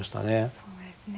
そうですね。